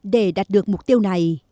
để đạt được mục tiêu này